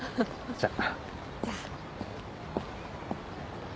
じゃあ。